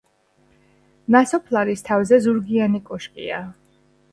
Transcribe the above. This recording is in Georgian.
ნასოფლარის თავზე ზურგიანი კოშკია.